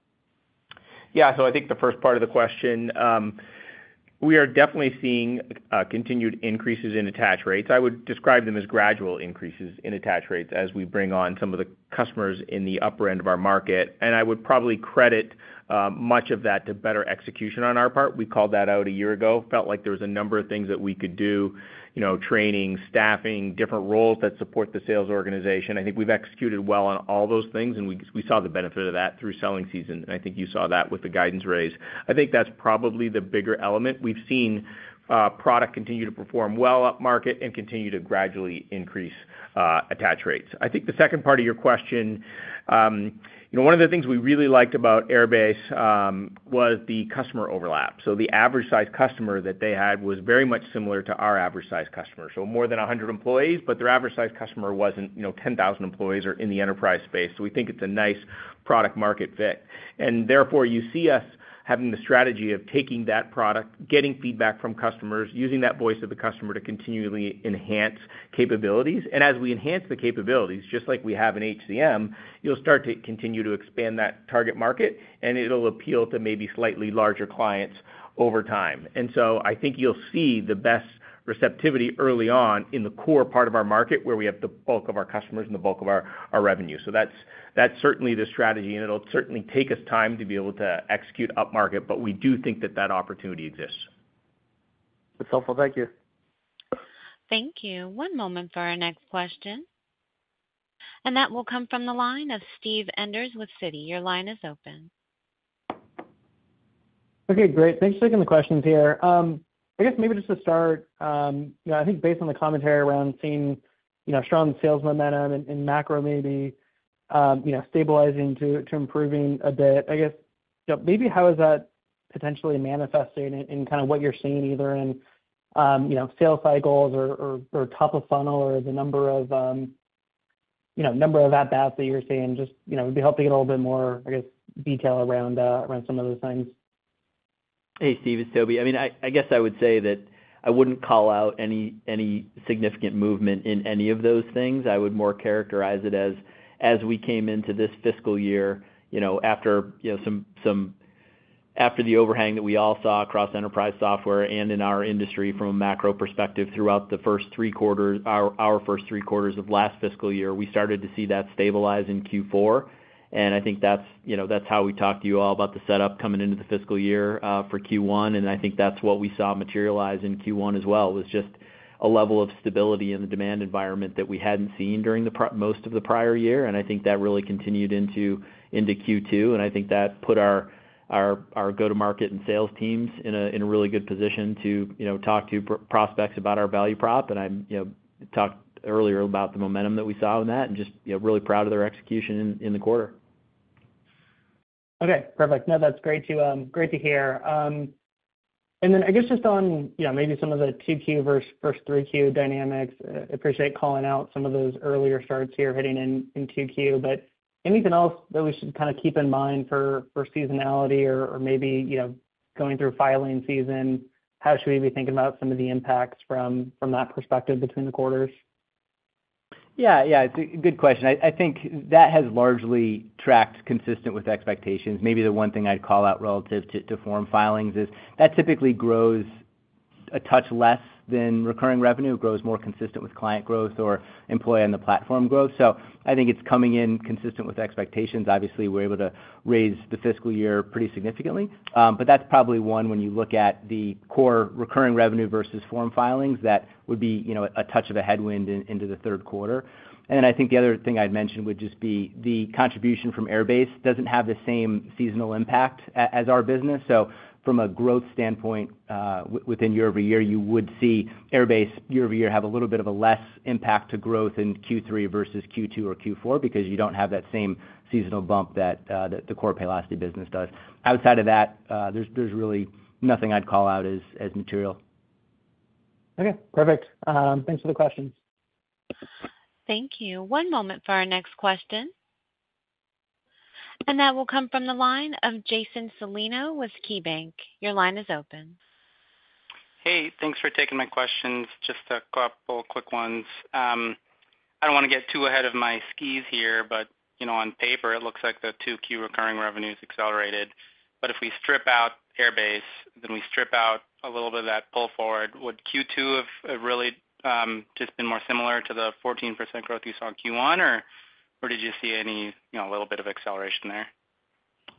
Yeah. So I think the first part of the question, we are definitely seeing continued increases in attach rates. I would describe them as gradual increases in attach rates as we bring on some of the customers in the upper end of our market. And I would probably credit much of that to better execution on our part. We called that out a year ago. Felt like there was a number of things that we could do, training, staffing, different roles that support the sales organization. I think we've executed well on all those things, and we saw the benefit of that through selling season. And I think you saw that with the guidance raise. I think that's probably the bigger element. We've seen product continue to perform well upmarket and continue to gradually increase attach rates. I think the second part of your question, one of the things we really liked about Airbase was the customer overlap, so the average-sized customer that they had was very much similar to our average-sized customer, so more than 100 employees, but their average-sized customer wasn't 10,000 employees or in the enterprise space. So we think it's a nice product-market fit, and therefore, you see us having the strategy of taking that product, getting feedback from customers, using that voice of the customer to continually enhance capabilities. And as we enhance the capabilities, just like we have in HCM, you'll start to continue to expand that target market, and it'll appeal to maybe slightly larger clients over time, and so I think you'll see the best receptivity early on in the core part of our market where we have the bulk of our customers and the bulk of our revenue. So that's certainly the strategy, and it'll certainly take us time to be able to execute upmarket, but we do think that that opportunity exists. That's helpful. Thank you. Thank you. One moment for our next question, and that will come from the line of Steve Enders with Citi. Your line is open. Okay. Great. Thanks for taking the questions here. I guess maybe just to start, I think based on the commentary around seeing strong sales momentum and macro maybe stabilizing to improving a bit, I guess maybe how is that potentially manifested in kind of what you're seeing either in sales cycles or top of funnel or the number of the math that you're seeing, just would be helping a little bit more, I guess, detail around some of those things? Hey, Steve and Toby. I mean, I guess I would say that I wouldn't call out any significant movement in any of those things. I would more characterize it as we came into this fiscal year after the overhang that we all saw across enterprise software and in our industry from a macro perspective throughout the first three quarters, our first three quarters of last fiscal year. We started to see that stabilize in Q4. And I think that's how we talked to you all about the setup coming into the fiscal year for Q1. And I think that's what we saw materialize in Q1 as well, was just a level of stability in the demand environment that we hadn't seen during most of the prior year. And I think that really continued into Q2. I think that put our go-to-market and sales teams in a really good position to talk to prospects about our value prop. I talked earlier about the momentum that we saw in that and just really proud of their execution in the quarter. Okay. Perfect. No, that's great to hear. And then I guess just on maybe some of the 2Q versus first 3Q dynamics, I appreciate calling out some of those earlier starts here hitting in 2Q. But anything else that we should kind of keep in mind for seasonality or maybe going through filing season, how should we be thinking about some of the impacts from that perspective between the quarters? Yeah. Yeah. It's a good question. I think that has largely tracked consistent with expectations. Maybe the one thing I'd call out relative to form filings is that typically grows a touch less than recurring revenue, grows more consistent with client growth or employee on the platform growth. So I think it's coming in consistent with expectations. Obviously, we're able to raise the fiscal year pretty significantly. But that's probably one when you look at the core recurring revenue versus form filings that would be a touch of a headwind into the third quarter. And then I think the other thing I'd mentioned would just be the contribution from Airbase doesn't have the same seasonal impact as our business. So from a growth standpoint within year-over-year, you would see Airbase year-over-year have a little bit of a less impact to growth in Q3 versus Q2 or Q4 because you don't have that same seasonal bump that the core Paylocity business does. Outside of that, there's really nothing I'd call out as material. Okay. Perfect. Thanks for the questions. Thank you. One moment for our next question. And that will come from the line of Jason Celino with KeyBank. Your line is open. Hey, thanks for taking my questions. Just a couple quick ones. I don't want to get too ahead of my skis here, but on paper, it looks like the 2Q recurring revenues accelerated. But if we strip out Airbase, then we strip out a little bit of that pull forward. Would Q2 have really just been more similar to the 14% growth you saw in Q1, or did you see any little bit of acceleration there?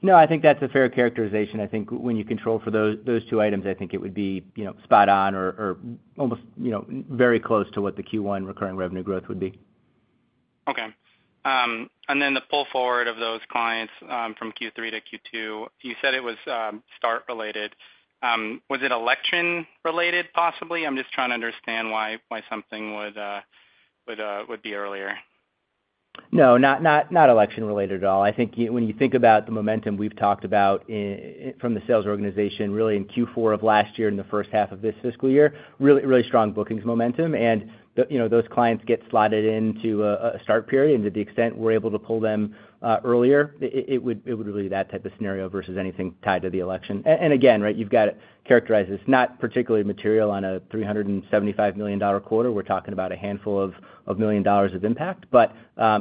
No, I think that's a fair characterization. I think when you control for those two items, I think it would be spot on or almost very close to what the Q1 recurring revenue growth would be. Okay, and then the pull forward of those clients from Q3 to Q2, you said it was start related. Was it election related possibly? I'm just trying to understand why something would be earlier. No, not election related at all. I think when you think about the momentum we've talked about from the sales organization, really in Q4 of last year and the first half of this fiscal year, really strong bookings momentum, and those clients get slotted into a start period. And to the extent we're able to pull them earlier, it would really be that type of scenario versus anything tied to the election, and again, right, you've got to characterize this, not particularly material on a $375 million quarter. We're talking about a handful of million dollars of impact, but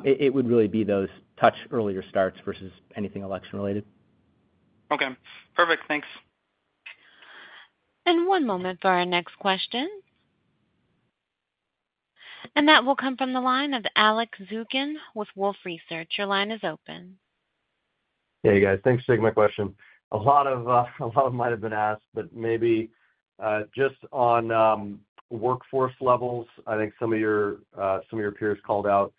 it would really be those touch earlier starts versus anything election related. Okay. Perfect. Thanks. One moment for our next question. That will come from the line of Alex Zukin with Wolfe Research. Your line is open. Hey, guys. Thanks for taking my question. A lot of them might have been asked, but maybe just on workforce levels, I think some of your peers called out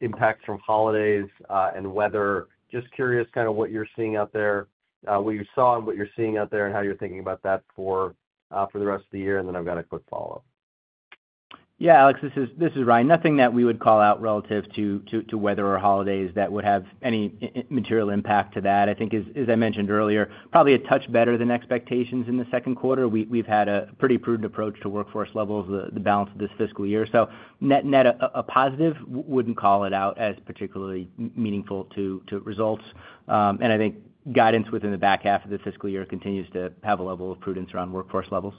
impacts from holidays and weather. Just curious kind of what you're seeing out there, what you saw and what you're seeing out there, and how you're thinking about that for the rest of the year. And then I've got a quick follow-up. Yeah, Alex, this is Ryan. Nothing that we would call out relative to weather or holidays that would have any material impact to that. I think, as I mentioned earlier, probably a touch better than expectations in the second quarter. We've had a pretty prudent approach to workforce levels, the balance of this fiscal year. So net a positive, wouldn't call it out as particularly meaningful to results, and I think guidance within the back half of the fiscal year continues to have a level of prudence around workforce levels.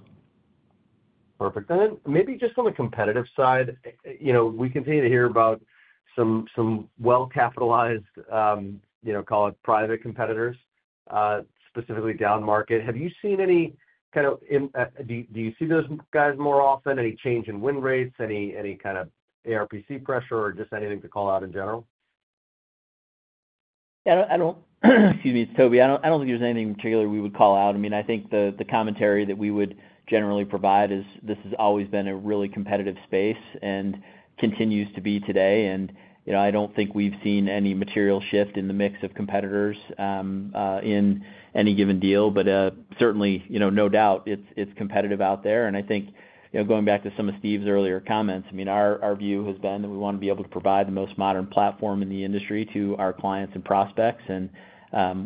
Perfect. And then maybe just on the competitive side, we continue to hear about some well-capitalized, call it private competitors, specifically down market. Do you see those guys more often? Any change in win rates? Any kind of ARPC pressure or just anything to call out in general? Excuse me, Toby. I don't think there's anything in particular we would call out. I mean, I think the commentary that we would generally provide is this has always been a really competitive space and continues to be today, and I don't think we've seen any material shift in the mix of competitors in any given deal, but certainly, no doubt, it's competitive out there, and I think going back to some of Steve's earlier comments, I mean, our view has been that we want to be able to provide the most modern platform in the industry to our clients and prospects and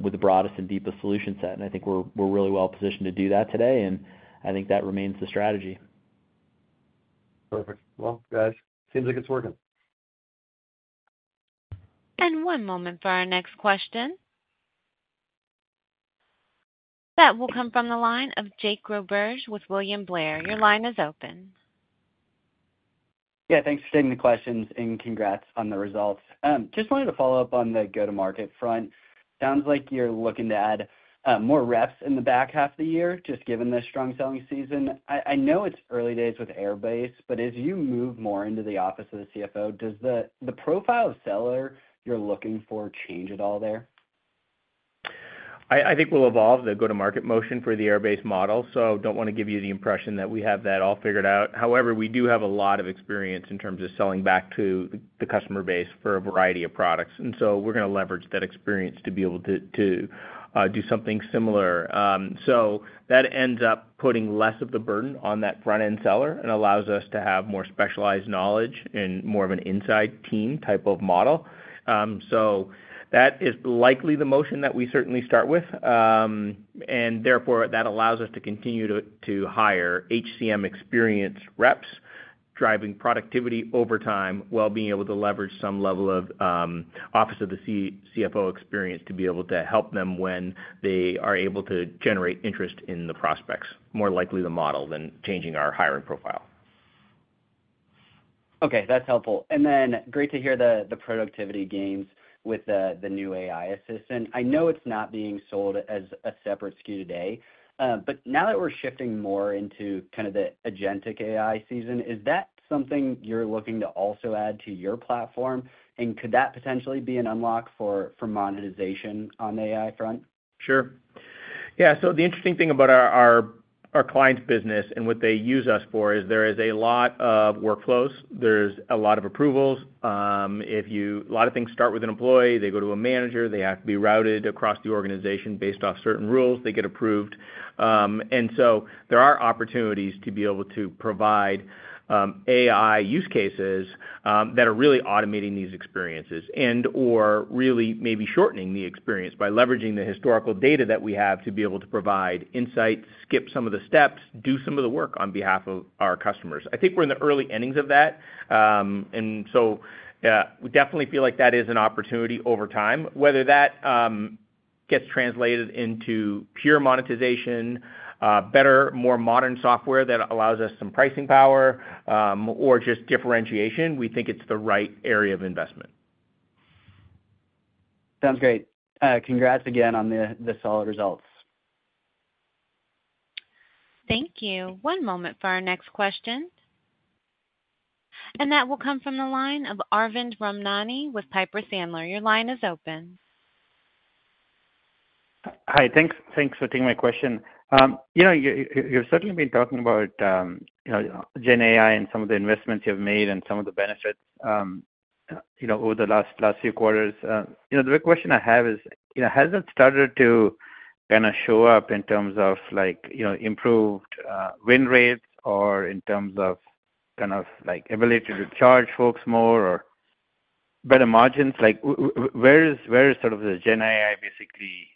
with the broadest and deepest solution set, and I think we're really well positioned to do that today, and I think that remains the strategy. Perfect. Well, guys, seems like it's working. One moment for our next question. That will come from the line of Jake Roberge with William Blair. Your line is open. Yeah. Thanks for taking the questions and congrats on the results. Just wanted to follow up on the go-to-market front. Sounds like you're looking to add more reps in the back half of the year, just given the strong selling season. I know it's early days with Airbase, but as you move more into the Office of the CFO, does the profile seller you're looking for change at all there? I think we'll evolve the go-to-market motion for the Airbase model. So I don't want to give you the impression that we have that all figured out. However, we do have a lot of experience in terms of selling back to the customer base for a variety of products. And so we're going to leverage that experience to be able to do something similar. So that ends up putting less of the burden on that front-end seller and allows us to have more specialized knowledge and more of an inside team type of model. So that is likely the motion that we certainly start with. Therefore, that allows us to continue to hire HCM experience reps driving productivity over time while being able to leverage some level of Office of the CFO experience to be able to help them when they are able to generate interest in the prospects, more likely the model than changing our hiring profile. Okay. That's helpful. And then great to hear the productivity gains with the new AI assistant. I know it's not being sold as a separate SKU today. But now that we're shifting more into kind of the agentic AI season, is that something you're looking to also add to your platform? And could that potentially be an unlock for monetization on the AI front? Sure. Yeah. So the interesting thing about our client's business and what they use us for is there is a lot of workflows. There's a lot of approvals. A lot of things start with an employee. They go to a manager. They have to be routed across the organization based off certain rules. They get approved. And so there are opportunities to be able to provide AI use cases that are really automating these experiences and/or really maybe shortening the experience by leveraging the historical data that we have to be able to provide insights, skip some of the steps, do some of the work on behalf of our customers. I think we're in the early innings of that. And so we definitely feel like that is an opportunity over time. Whether that gets translated into pure monetization, better, more modern software that allows us some pricing power, or just differentiation, we think it's the right area of investment. Sounds great. Congrats again on the solid results. Thank you. One moment for our next question, and that will come from the line of Arvind Ramnani with Piper Sandler. Your line is open. Hi. Thanks for taking my question. You've certainly been talking about GenAI and some of the investments you have made and some of the benefits over the last few quarters. The question I have is, has it started to kind of show up in terms of improved win rates or in terms of kind of ability to charge folks more or better margins? Where is sort of the GenAI basically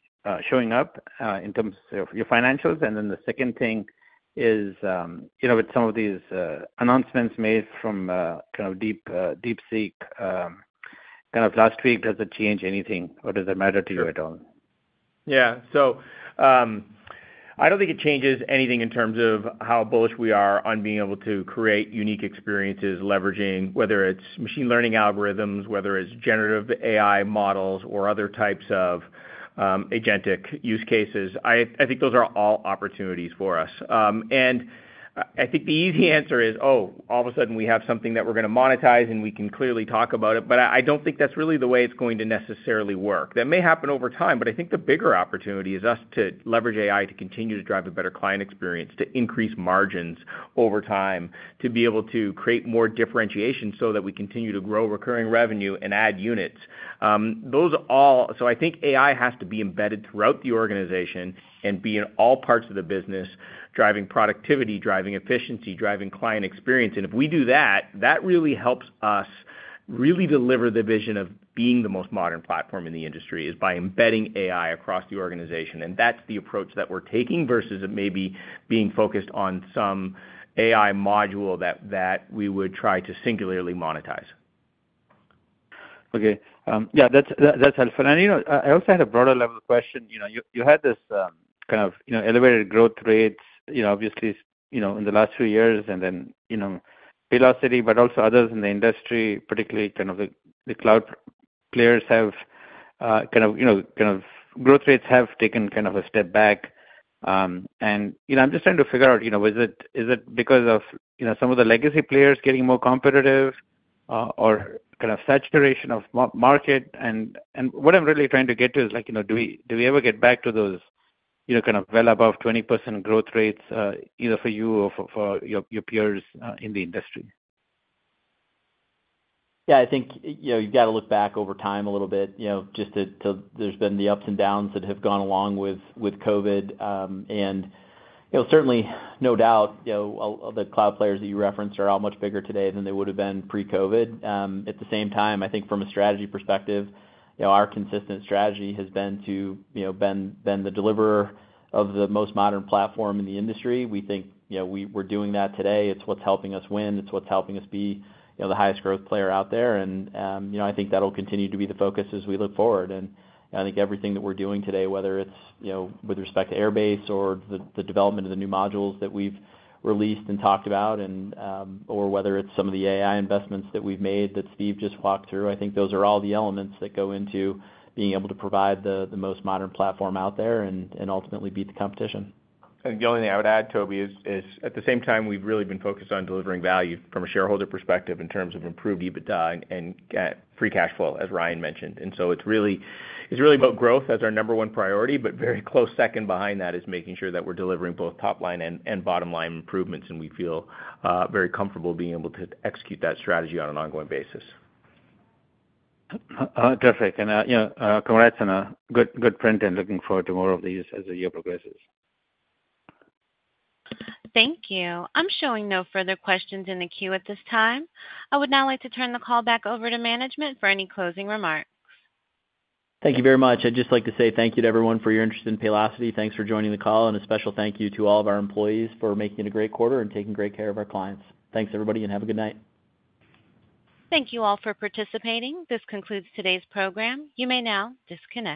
showing up in terms of your financials? And then the second thing is, with some of these announcements made from kind of DeepSeek kind of last week, does it change anything? Or does it matter to you at all? Yeah. So I don't think it changes anything in terms of how bullish we are on being able to create unique experiences leveraging whether it's machine learning algorithms, whether it's generative AI models, or other types of agentic use cases. I think those are all opportunities for us. And I think the easy answer is, "Oh, all of a sudden, we have something that we're going to monetize, and we can clearly talk about it." But I don't think that's really the way it's going to necessarily work. That may happen over time. But I think the bigger opportunity is us to leverage AI to continue to drive a better client experience, to increase margins over time, to be able to create more differentiation so that we continue to grow recurring revenue and add units. So I think AI has to be embedded throughout the organization and be in all parts of the business, driving productivity, driving efficiency, driving client experience. And if we do that, that really helps us really deliver the vision of being the most modern platform in the industry, is by embedding AI across the organization. And that's the approach that we're taking versus it may be being focused on some AI module that we would try to singularly monetize. Okay. Yeah, that's helpful. And I also had a broader level of question. You had this kind of elevated growth rates, obviously, in the last few years and then Paylocity, but also others in the industry, particularly kind of the cloud players' growth rates have taken kind of a step back. And I'm just trying to figure out, is it because of some of the legacy players getting more competitive or kind of saturation of market? And what I'm really trying to get to is, do we ever get back to those kind of well above 20% growth rates either for you or for your peers in the industry? Yeah, I think you've got to look back over time a little bit just to see there's been the ups and downs that have gone along with COVID, and certainly, no doubt, the cloud players that you referenced are all much bigger today than they would have been pre-COVID. At the same time, I think from a strategy perspective, our consistent strategy has been to be the deliverer of the most modern platform in the industry. We think we're doing that today. It's what's helping us win. It's what's helping us be the highest growth player out there. And I think that'll continue to be the focus as we look forward. I think everything that we're doing today, whether it's with respect to Airbase or the development of the new modules that we've released and talked about, or whether it's some of the AI investments that we've made that Steve just walked through. I think those are all the elements that go into being able to provide the most modern platform out there and ultimately beat the competition. And the only thing I would add, Toby, is at the same time, we've really been focused on delivering value from a shareholder perspective in terms of improved EBITDA and Free Cash Flow, as Ryan mentioned. And so it's really about growth as our number one priority, but very close second behind that is making sure that we're delivering both top-line and bottom-line improvements. And we feel very comfortable being able to execute that strategy on an ongoing basis. Terrific. And congrats on a good print and looking forward to more of these as the year progresses. Thank you. I'm showing no further questions in the queue at this time. I would now like to turn the call back over to management for any closing remarks. Thank you very much. I'd just like to say thank you to everyone for your interest in Paylocity. Thanks for joining the call and a special thank you to all of our employees for making it a great quarter and taking great care of our clients. Thanks, everybody, and have a good night. Thank you all for participating. This concludes today's program. You may now disconnect.